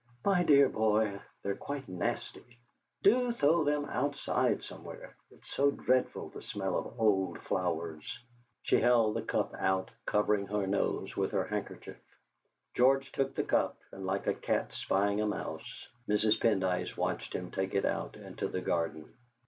"My dear boy, they're quite nasty! Do throw them outside somewhere; it's so dreadful, the smell of old flowers!" She held the cup out, covering her nose with her handkerchief. George took the cup, and like a cat spying a mouse, Mrs. Pendyce watched him take it out into the garden.